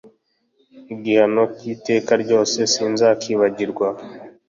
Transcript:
igihano cy iteka ryose sinzakibagirwa